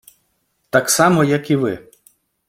Так само як і Ви.